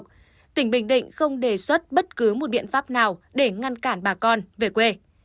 chủ tịch ubnd tỉnh bình định không đề xuất bất cứ một biện pháp nào để ngăn cản bà con về quê